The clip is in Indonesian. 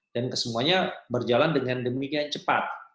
dan kesemuanya berjalan dengan demikian cepat